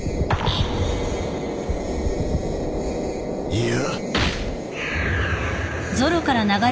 いや